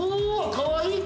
かわいい！